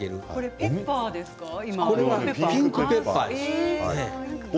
ピンクペッパーです。